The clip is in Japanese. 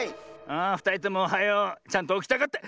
あふたりともおはよう。ちゃんとおきたかって。